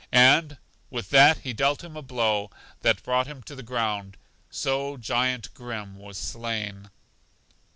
And with that he dealt him a blow that brought him to the ground; so Giant Grim was slain.